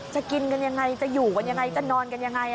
จะกินกันอย่างไรจะอยู่กันอย่างไรจะนอนกันอย่างไร